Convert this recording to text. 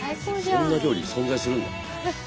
そんな料理存在するんだ。